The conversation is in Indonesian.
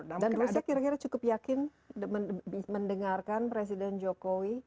dan rusia kira kira cukup yakin mendengarkan presiden jokowi